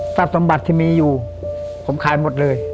สมบัติที่มีอยู่ผมขายหมดเลย